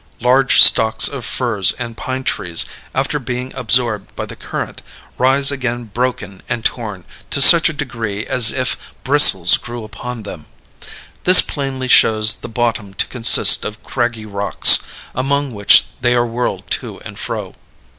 Large stocks of firs and pine trees, after being absorbed by the current, rise again broken and torn to such a degree as if bristles grew upon them. This plainly shows the bottom to consist of craggy rocks, among which they are whirled to and fro."